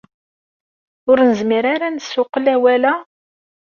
Ur nezmir ara ad nessuqel awal-a?